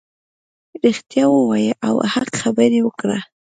رښتیا ووایه او حق خبرې وکړه .